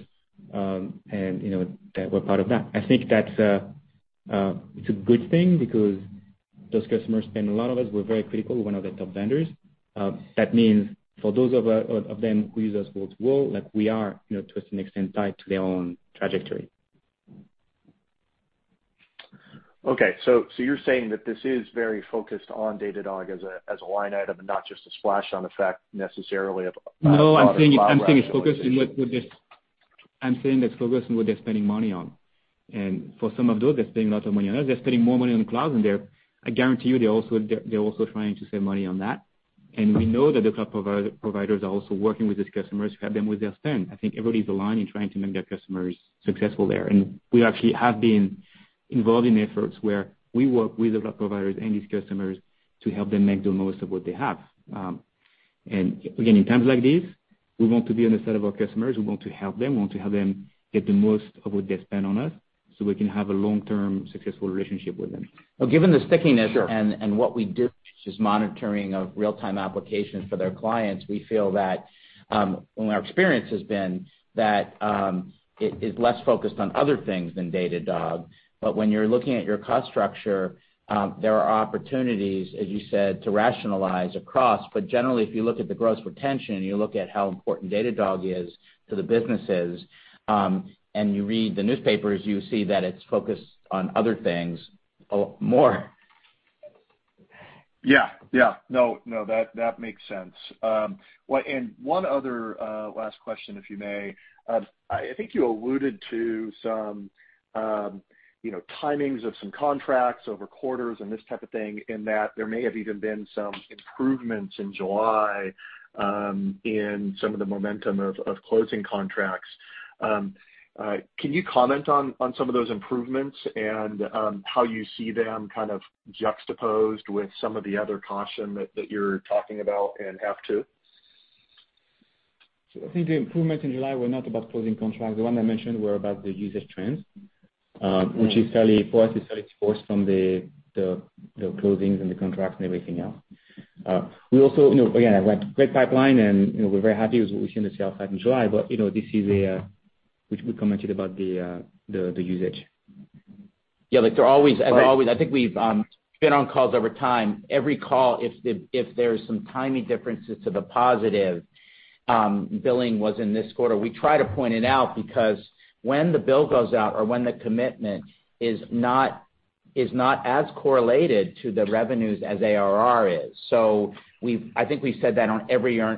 and you know, that we're part of that. I think that's a good thing because those customers spend a lot with us. We're very critical. We're one of their top vendors. That means for those of them who use us worldwide, like we are, you know, to a certain extent, tied to their own trajectory. Okay. You're saying that this is very focused on Datadog as a line item and not just a spillover effect necessarily of. No, I'm saying it's focused on what they're spending money on. For some of those, they're spending a lot of money on us. They're spending more money on the cloud, and I guarantee you they're also trying to save money on that. We know that the cloud providers are also working with these customers to help them with their spend. I think everybody's aligned in trying to make their customers successful there. We actually have been involved in efforts where we work with the cloud providers and these customers to help them make the most of what they have. In times like this, we want to be on the side of our customers. We want to help them. We want to help them get the most of what they spend on us, so we can have a long-term successful relationship with them. Well, given the stickiness. Sure. What we do, which is monitoring of real-time applications for their clients, we feel that our experience has been that it is less focused on other things than Datadog. When you're looking at your cost structure, there are opportunities, as you said, to rationalize across. Generally, if you look at the gross retention and you look at how important Datadog is to the businesses, and you read the newspapers, you see that it's focused on other things a lot more. Yeah. No, that makes sense. One other last question, if you may. I think you alluded to some you know timings of some contracts over quarters and this type of thing, and that there may have even been some improvements in July in some of the momentum of closing contracts. Can you comment on some of those improvements and how you see them kind of juxtaposed with some of the other caution that you're talking about and have to? I think the improvements in July were not about closing contracts. The one I mentioned were about the usage trends, which is, for us, fairly divorced from the closings and the contracts and everything else. We also, you know, again, have a great pipeline, and, you know, we're very happy with what we see on the sales side in July. You know, this is a which we commented about the usage. Yeah, like, they're always. Right. As always, I think we've been on calls over time. Every call, if there's some timing differences to the positive, billing was in this quarter, we try to point it out because when the bill goes out or when the commitment is not as correlated to the revenues as ARR is. I think we said that on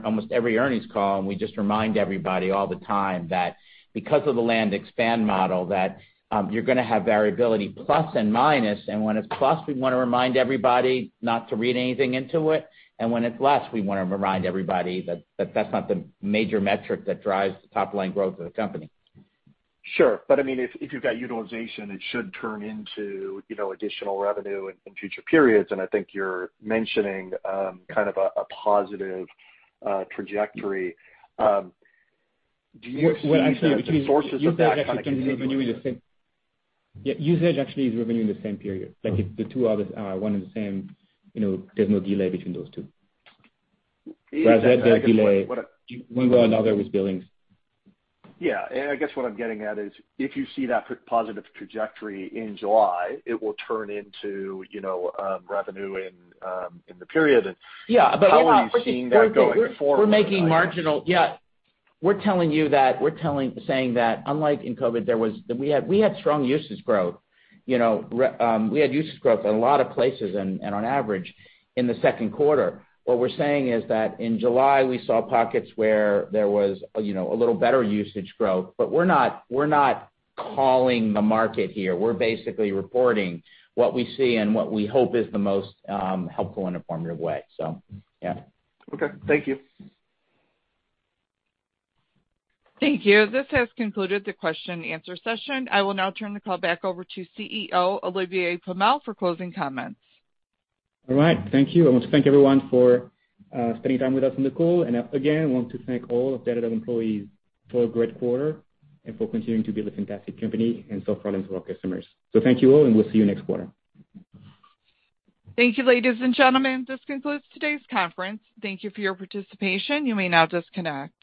almost every earnings call, and we just remind everybody all the time that because of the land expand model, that you're gonna have variability plus and minus. When it's plus, we wanna remind everybody not to read anything into it. When it's less, we wanna remind everybody that that's not the major metric that drives the top-line growth of the company. Sure. I mean, if you've got utilization, it should turn into, you know, additional revenue in future periods, and I think you're mentioning kind of a positive trajectory. Do you see the sources of that kind of? Yeah. Usage actually is revenue in the same period. Like it's the two are one and the same, you know. There's no delay between those two. Is that, I guess, what I? Whereas there's a delay one way or another with billings. I guess what I'm getting at is, if you see that positive trajectory in July, it will turn into, you know, revenue in the period and- Yeah. You know what? How are you seeing that going forward? Yeah. We're saying that unlike in COVID, we had strong usage growth, you know, we had usage growth in a lot of places and on average in the second quarter. What we're saying is that in July, we saw pockets where there was, you know, a little better usage growth. But we're not calling the market here. We're basically reporting what we see and what we hope is the most helpful and informative way. So yeah. Okay. Thank you. Thank you. This has concluded the question and answer session. I will now turn the call back over to CEO, Olivier Pomel, for closing comments. All right. Thank you. I want to thank everyone for spending time with us on the call. Again, want to thank all of Datadog employees for a great quarter and for continuing to build a fantastic company and solve problems for our customers. Thank you all, and we'll see you next quarter. Thank you, ladies and gentlemen. This concludes today's conference. Thank you for your participation. You may now disconnect.